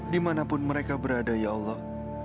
dimanapun mereka berada ya allah